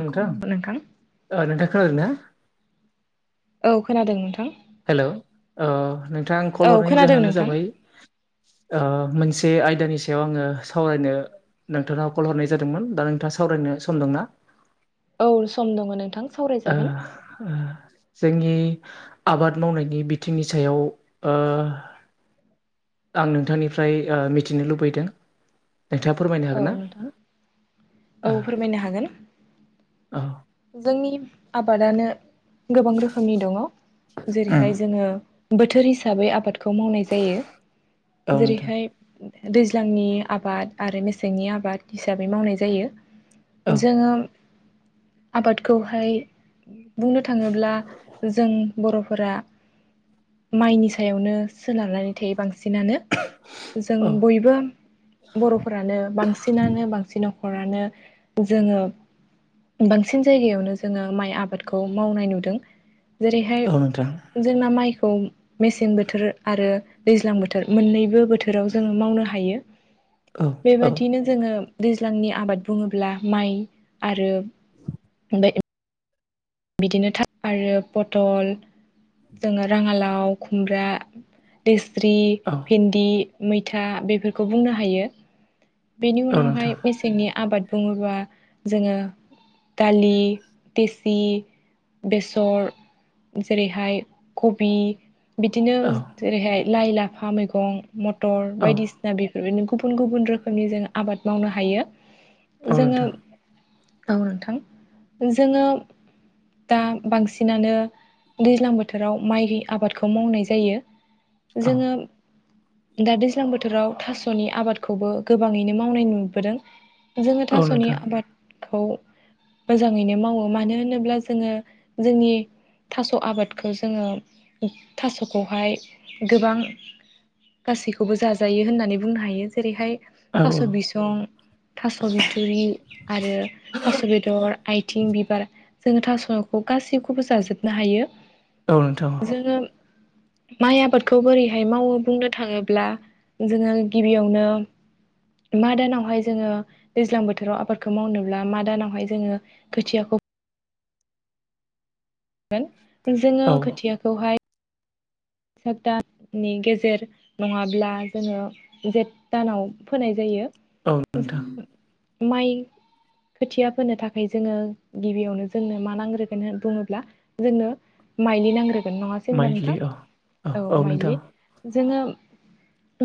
नोंथां नोंथां खोनादों ना औ खोनादों नोंथां हेल' ओ नोंथां कल औ हरनायनि खोनादों जाहोनानो नोंथां जाबाय ओ मोनसे आयदानि सायाव आङो सावरायनो नोंथांनाव कल हरनाय जादोंमोन दा नोंथाङा सावरायनो सम दंना? औ सम दङ नोंथां ओ सावरायजागोन। ओ जोंनि आबाद मावनायनि बिथिंनि सायाव ओ आं नोंथांनिफ्राय ओ मिथिनो लुबैदों नोंथाङा फोरमायनो औ हागोन ना नोंथां औ फोरमायनो हागोन औ जोंनि आबादानो गोबां रोखोमनि दङ उम जेरैहाय जोङो बोथोर हिसाबै आबादखौ मावनाय जायो औ नोंथां जेरैहाय दैज्लांनि आबाद आरो मेसेंनि आबाद हिसाबै मावनाय जायो औ जोङो आबादखौहाय बुंनो थाङोब्ला जों बर'फोरा माइनि सायावनो सोनारनानै थायो बांसिन सिनानो जों औ बयबो बर'फोरानो बांसिनानो बांसिनाव नखरानो जोङो बांसि सिन जायगायावनो जोङो माइ आबादखौ मावनाय नुदों जेरैहाय औ नोंथां जोंना माइ खौ मेसें बोथोर आरो दैज्लां बोथोर मोननैबो बोथोराव जोङो मावनो हायो औ बेबादिनो जोङो दैज्लांनि आबाद बुङोब्ला माइ आरो [inaudible] बिदिनो था आरो पटल जोङो राङालाव खुमब्रा लेस स्रि भेन्दि मैथा बेफोरखौ बुंनो हायो बेनि औ उनावहाय नोंथां मेसेंनि आबाद बुङोबा जोङो दालि देसि बेसर जेरैहाय कबि बिदिनो औ जेरैहाय लाइ लाफा मैगं मथर औ बायदिसिना बेफोरदिनो गुबुन गुबुन रोखोमनि जोङ आबाद मावनो हायो औ जोङो नोंथां औ नोंथां जोङो दा बांसिनानो दैज्लां बोथोराव माइ आबादखौ मावनाय जायो औ जोङो दा दैज्लां बोथोराव थासनि आबादखौबो गोबाङैनो मावनाय नुबोदों जोङो औ थासनि नोंथां आबादखौ मोजाङैनो मावो मानो होनोब्ला जोङो जोंनि थास आबादखौ जोङो थासखौहाय गोबां गासैखौबो जाजायो होननानै बुंनो हायो जेरैहाय औ थास औ बिसं थास' बिथुरि आरो थास' बेदर, आथिं, बिबार जोङो थासखौ गासैखौबो जाजोबनो हायो। औ नोंथां जोङो माइ आबादखौ बोरैहाय मावो बुंनो थाङोब्ला जोङो गिबियावनो मा दानावहाय जोङो दैज्लां बोथोराव आबादखौ मावनोब्ला मा दानावहाय जोङो खोथियाखौ फोगोन, जोङो औ खोथियाखौहाय सतदाननि गेजेर नङाब्ला जोङो जेठ दानाव फोनाय जायो। औ नोंथां [unintelligible] माइ खोथिया फोनो थाखाय जोङो गिबियावनो जोंनो मा नांग्रोगोन होन बुङोब्ला जोंनो माइलि नांग्रोगोन। नङासै होनबा माइलि नोंथां? औ औ माइलि जोङो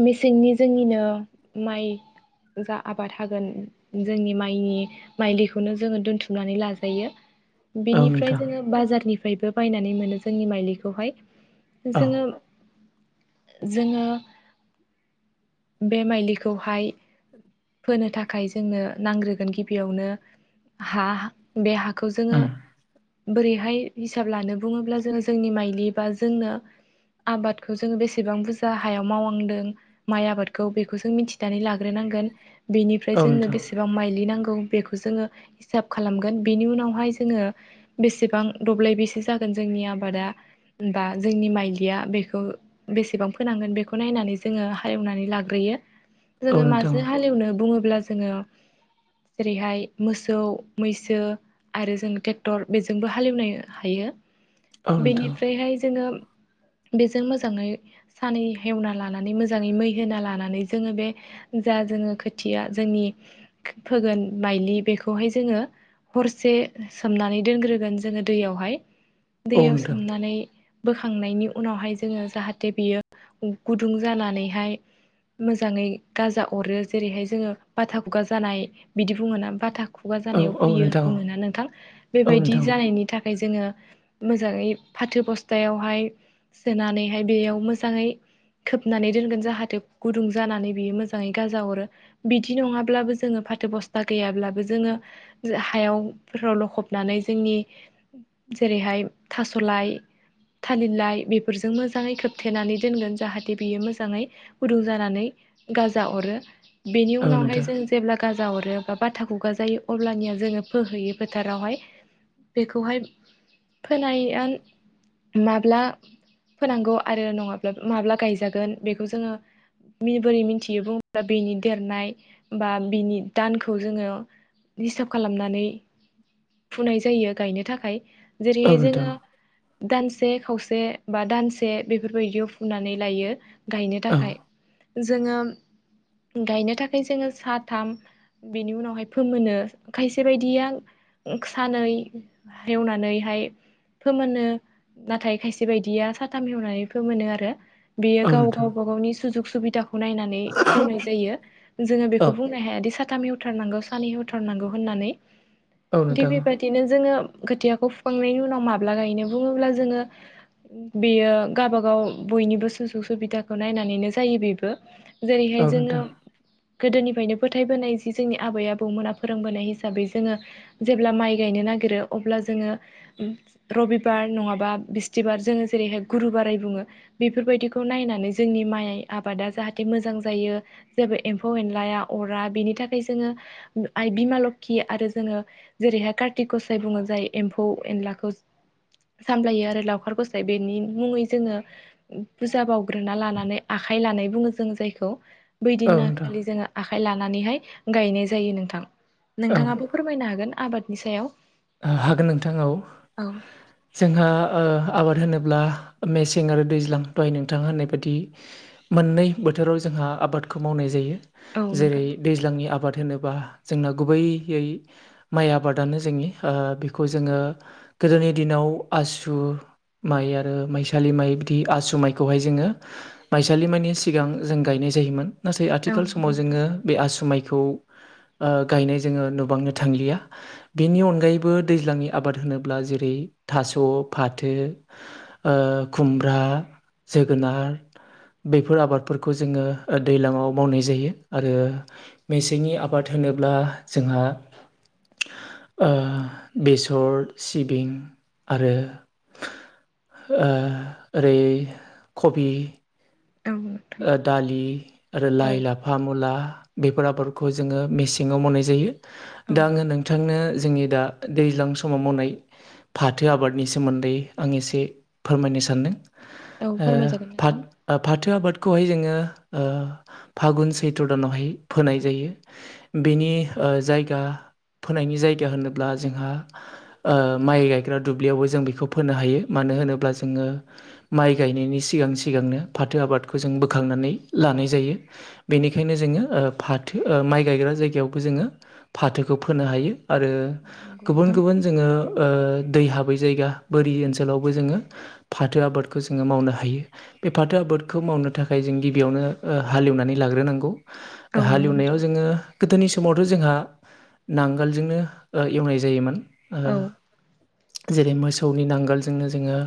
मेसेंनि जोंनिनो माइ जा आबाद हागोन जोंनि माइनि माइ दैखौनो जोङो दोनथुमनानै लाजायो। औ बेनिफ्राय नोंथां जोङो बाजारनिफ्रायबो बायनानै मोनो जोंनि माइलिखौहाय औ जोङो - जोङो बे माइलिखौहाय फोनो थाखाय जोंनो नांग्रोगोन गिबियावनो हा बे हा खौ जोङो उम बोरैहाय हिसाब लानो बुङोब्ला जोङो जोंनि माइलि बा जोंनो आबादखौ जोङो बेसेबां बुरजा हायाव मावलांदों माइ आबाद बेखौ जों मिथिनानै लाग्रोनांगोन बेनिफ्राय औ जोंनो नोंथां बेसेबां माइलिनांगोन औ बेखौ जोङो हिसाब खालामगोन बेनि उनावहाय जोङो बेसेबां दब्लाय बैसे जागोन जोंनि आबादा बा जोंनि माइलिया बेखौ बेसेबां फोनांगोन बेखौ नायनानै जों जोङो हालेवनानै लाग्रोयो औ जोङो नोंथां माजों हालेवनो बुङोब्ला जोङो जेरैहाय मोसौ-मैसो आरो जों ट्रेक्टर बेजोंबो हालेवनो हायो औ नोंथां बेनिफ्रायहाय जोङो बेजों मोजाङै सानै हेवना लानानै मोजाङै मै होना लानानै नानै जोङो बे जा जोङो खोथिया जोंनि फोगोन माइलि बेखौहाय जों जोङो हरसे सोमनानै दोनग्रोगोन जोङो दैयावहाय औ दैयाव नोंथां सोमनानै बोखांनायनि उनावहाय जोङो जाहाथे बियो गुदुं जानानैहाय मोजाङै गाजा अरो जेरैहाय जोङो बाथा खुगा जानाय बिदि बुङोना बाथा खुगा औ जानायाव फैयो नोंथां बुङोना नोंथां औ बेबायदि नोंथां जानायनि थाखाय जोङो मोजाङै फाथो बस्थायावहाय सोनानैहाय बेयाव मोजाङै खोबनानै दोनगोन जाहाथे गुदुं जानानै बियो मोजाङै गाजा हरो बिदि नङाब्लाबो जोङो फाथो बस्था गैयाब्लाबो जोङो हायाव फोराव लखबनानै जोंनि जेरैहाय थासलाय थालिरलाइ बेफोरजों मोजाङै खोबथेनानै दोनगोन जाहाथे बियो मोजाङै फुदुं जानानै गाजा अरो बेनि औ उनावहाय नोंथां जों जेब्ला‌ गा जा अरो रो बा बाथा खुगा जायो अब्लानिया जोङो फोहैयो फोथारावहाय बेखौहाय फोनाय आन माब्ला फोनांगौ आरो नङाब्ला माब्ला गायजागोन बेखौ जोङो बोरै मिथियो बुङोब्ला बिनि देरनाय बा बिनि दानखौ जोङो हिसाब खालामनानै फुनाय जायो गायनो थाखाय औ जेरैहाय नोंथां जोङो दानसे खावसे बा दानसे बेफोरबायदियाव फुनानै लायो गायनो औ नोंथां औ थाखाय जोङो गायनो थाखाय जोङो साथाम बेनि उनावहाय फोमोनो खायसे बायदिया सानै एवनानैहाय फोमोनो नाथाय खायसे बायदिया साथाम हेवनानै फोमोनो आरो बेयो गाव- नोंथां औ नोंथां गावबा गावनि सुजुग सुबिदाखौ खौ नायनानै हेवनाय जायो जोङो बेखौ बुंनो हायादि स साथाम हेवथारनांगौ सानैहेवथारनांगौ होननानै थिग बेबायदिनो जोङो खोथियाखौ फुखांनायनि उनाव माब्ला गायनो बुङोब्ला जोङो बेयो गावाबागाव बयनिबो सुजुग सुबिदाखौ नायनानैनो जायो बेबो जेरैहाय जोङो गोदोनिफ्रायनो फोथायबोनाय जि जोंनि आबै- आबौमोना फोरोंबोनाय हिसाबै जोङो जेब्ला माइ गायनो न नागिरो अब्ला जोङो रबिबार नङाबा बिस्थिबार जोङो जेरैहाय गुरु बाराय बु ङो बेफोरबायदिखौ नायनानै जोंनि माइ आबादा जाहाथे मोजां जायो जेबो एम्फौ-एनलाया अरा बिनि थाखाय जोङो आइ बिमा लोखि आरो जोङो जेरैहाय कार्तिक गसाइ बुङो जायो एम्फौ-एनलाखौ सामलायो आरो लावखार गस्लाय बेनि मुङै जोङो बुजा बाउग्रोना लानानै आखाइ लानाय बुङो जों जायखौ। औ नोंथां बैदिनाखालि जोङो आ आय लानानैहाय गायनाय जायो नोंथां। औ नोंथाङाबो फोरमायनो हागोन आबादनि सायाव। हागोन नोंथां औ। औ जोंहा ओ आबाद होनोब ब्ला मेसें आरो दैज्लां दाहाय नोंथां होननाय बायदि मोननै बोथोराव जोंहा आबाद आबादखौ मावनाय जायो। औ जेरै नोंथां दैजांनि आबाद होनोबा जोंना गुबैयै माइ आबादानो जोंनि ओ बेखौ जोङो गोदोनि दिनाव आसु माइ आरो माइसालि माइ बिदि आसु माइखौहाय जोङो माइसालि माइनि सिगां जों गायनाय जायोमोन ना औ आथिखाल नंगौ समाव नोंथां जोङो बे आसु माइ खौ ओ गायनाय जोङो नुबांनो थांलिया बेनि अन अनगायैबो दैज्लांनि आबाद होनोब्ला जेरै थास' फाथो ओ खुमब ब्रा जोगोनार बेफोर आबादफोरखौ जोङो दैज्लाङाव मावनाय जायो आरो मेसेंनि आबाद होनोब्ला जोंहा ओ बेसर सिबिं आरो ओ ओरै कबि औ नोंथां ओ दालि आरो औ लाइ, लाफा, मुला बेफोर आबादखौ जोङो मेसेङाव मावनाय जायो औ दा आङो नोंथांनो जोंनि दा दैज्लां समाव मावनाय फाथो आबादनि सोमोन्दै आं एसे फोरमायनो सान्दों। औ ओ फोरमायजागोन नोंथां फाथ-फाथो आबाद खौहाय जोङो ओ फागुन सैत्र दानावहाय फोनाय जायो। बेनि ओ जायगा फोनायनि जायगा होनोब्ला जोंहा ओ माइ गायग्रा दुब्लियावबो जों बेखौ फोनो हायो। मानो मानो होनोब्ला जोङो माइ गायनायनि सिगां-सिगांनो फाथो आबाद जों बोखांनानै लानाय जायो बेनिखायनो जोङो ओ फाथो ओ माइ गायग्रा जायगायावबो ज जोङो फाथोखौ फोनो हायो आरो औ नंगौ गुबुन नोंथां गुबुन जोङो ओ दै हाबै जायगा बोरि ओनसोलावबो जोङो फाथो आबादखौ जोङो मावनो हायो। बे फाथो आबादखौ मावनो थाखाय जों गिबियावनो हालेवनानै लाग्रोनांगौ। औ दा नंगौ हालेवनायाव नोंथां जोङो गोदोनि समावथ' जोंहा नांगोलजोंनो ओ एवनाय जायोमोन ओ औ जेरै मोसौनि नांगोलजोंनो जोङो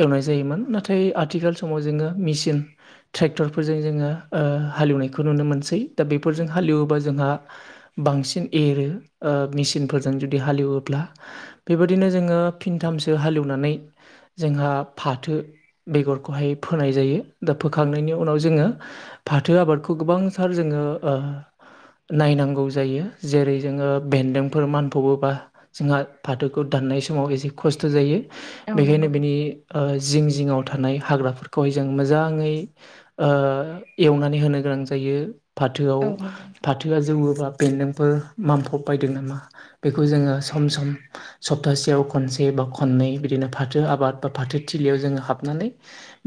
एवनाय जायोमोन नाथाय आथिखाल समाव जोङो मिसि न ट्रेक्टरफोरजों जोङो ओ हालेवनायखौ नुनो मोनसै। दा औ बेफोरजों नंगौ नोंथां हालेवोबा जोंहा बांसिन एरो ओ मेचिनफोरजों जुदि हालेवोब्ला बेबायदिनो जोङो फिनथाम मसो हालेवनानै जोंहा फाथो बेगरखौहाय फोनाय जायो। दा फोखांनायनि उनाव जोङो फाथो आबादखौ गोबांथार जोङो ओ नायनांगौ जायो जेरै जोङो बेन्दोंफोर मोनानफबा जोंहा फाथोखौ दान ननाय समाव एसे खस्थ' जायो। औ बेखायनो नंगौ बेनि नोंथां ओ जिं-जिङाव थानाय हाग्राफोरखौहाय जों मोजां मोजाङै ओ एवनानै होनो गोनां जायो। फाथोआव औ नंगौ नोंथां फाथोआ जौवोबा बेन्दोंफोर मामफब बायदों नामा बेखौ जोङो सम-सम सप्तासेयाव खनसे ब खननै बिदिनो फाथो आबाद बा फाथो थिलिआव जोङो हाबनानै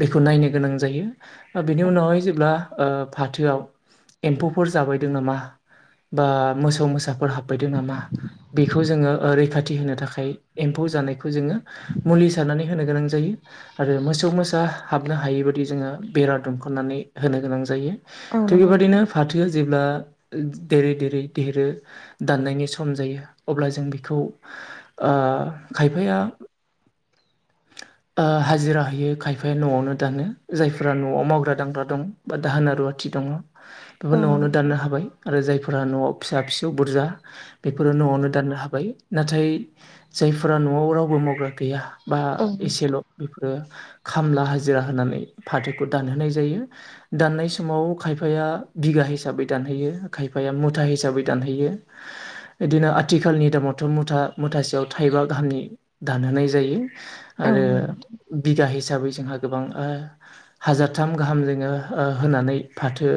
बेखौ नायनो गोनां ज जायो बेनि औ उनावहाय जेब्ला ओ फाथोआव एम्फौफोर जाबायदों नामा बा मोसौ मोसाफोर हाबबायदों नामा बेखौ जोङो ओ रैखाथि होनो थाखाय एम्फौ जानायखौ जोङो मुलि सारनानै होनो गोनां जायो आरो मोसौ मोसा हाबनो हायि बादि जो जोङो बेरा दुमख'न्नानै होनो गोनां जायो थिग नंगौ नोंथां बेबादिनो फाथोआ जेब्ला देरै-देरै देरो दाननायनि सम जायो अब्ला जों बेखौ ओ ओ खायफाया ओ हाजिरा होयो खायफाया न'आवनो दानो। जायफोरा न'आव मावग्रा दांग्रा दं बा दाहोना रुवाथि दङ। बेफोर औ नंगौ न'आवनो नोंथां दाननो हाबाय आरो जायफोरा न'आव फिसा-फिसौ बुरजा बेफोरो न'आवनो दाननो हाबाय नाथाय जायफोरा न'आव रावबो मावग्रा गैया बा औ नंगौ नोंथां औ एसेल' बेफोरो खामला हाजिरा होनानै फाथोखौ दानहोनाय जायो दान्नाय समाव खायफाया बिगा हिसाबै दानहोयो खायफाया मुथा हिसाबै दानहैयो बिदिनो आथिखालनि दामावथ' मुथा-मुथासेयाव थायबा गाहामै हामनि दानहोनाय जायो नंगौ आरो नोंथां बिगा हिसाबै जोंहा गोबां ओ हाजारथाम गाहाम जोङो ओ होनानै फाथो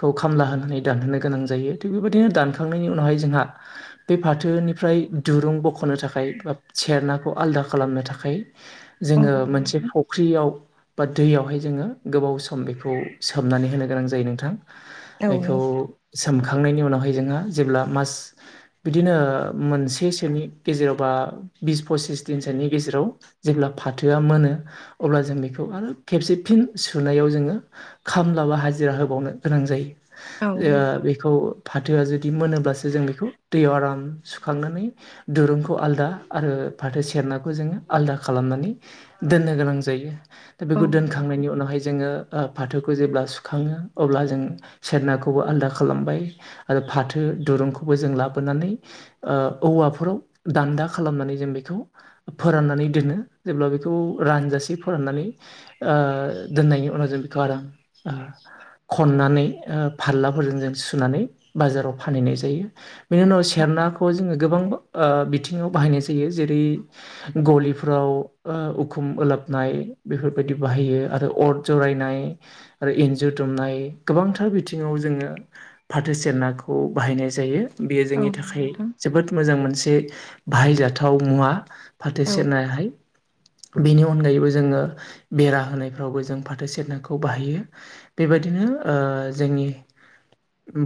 खौ खामला होनानै दानहोनो गोनां जायो थिग बेबादिनो दानखांनायनि उनावहाय जोंहा बे फाथो निफ्राय दुरुं बख'नो थाखाय बा सेरनाखौ आलदा खालामनो थाखाय जोङो मोनसे औ फख्रियाव बा दैयावहाय जोङो गोबाव सम बेखौ सोमनानै होनो गोनां जायो नोंथां। एखौ नंगौ सो सोमखांनायनि उनावहाय जोंहा जेब्ला मास बिदिनो मोनसेसोनि गेजेरावबा बिस फसिस दिनसोनि गेजेराव जेब्ला फाथोआ मोनो अब्ला जों बेखौ खौ आरो खेबसे फिन सुनायाव जोङो खामला बा हाजिरा होबावनो गोनां जायो। औ नंगौ ओ बेखौ फाथोआ जुदि मोनोब्लासो जों बेखौ दैयाव आराम सुखांनानै दुरुंखौ आलदा आरो फाथो सेरनाखौ जोङो आलदा खालामनानै दोननो गोनां जायो। दा औ बेखौ नंगौ नोंथां दोनखांनायनि उनावहाय जोङो ओ फाथोखौ जेब्ला सुखाङो अब्ला जों सेरनाखौबो आलदा खालामबाय आरो फाथो दुरुंखौबो जों लाबोनानै ओ औवाफोराव दान्दा खालामनानै जों बेखौ फोरान्नानै दोनो जेब्ला बेखौ रानजासे फोरान्नानै ओ दोननायनि उनाव जों बेखौ आराम ओ खन्नानै फाल्ला फोरजों जों सुनानै बाजाराव फानहैनाय जायो बेनि उनाव सेरनाखौ जोङो गोबां ओ बेफ बिथिङाव बाहायनाय जायो जेरै गलिफ्राव ओ उखुम उलाबनाय बेफोरबायदि बाहायो आरो अर जरायनाय आरो इन्जुर दुमनाय गोबांथार बिथिङाव जों जोङो फाथो सेरनाखौ बाहायनाय जायो। बेयो औ जोंनि नंगौ औ नंगौ थाखाय नोंथां जोबोद मोजां मोनसे बाहायजाथाव मुवा। फाथो औ सेरनायाहाय बेनि अनगायैबो जोङो बेरा होनायफ्रावबो जों फाथो सेरनाखौ बाहायो बेबायदिनो जोंनि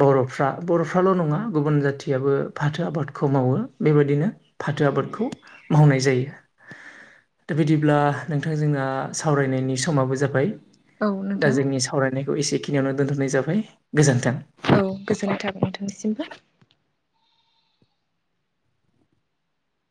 बर'फ्रा बर'फ्राल' नङा गुबुन जाथियाबो फाथो आबादखौ मावो बेबायदिनो फाथो आबादखौ मावनाय जायो दा बिदिब्ला नोंथां जोंना सावरायनायनि समाबो जाबाय औ दा नोंथां जोंनि सावरायनाय बे खौ एसेखिनियावनो दोनथ'नाय जाबाय गोजोन्थों। औ गोजोननाय थाबाय नोंथांनिसिमबो